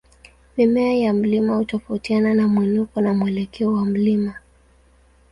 Mimea ya mlima hutofautiana na mwinuko na mwelekeo wa mlima.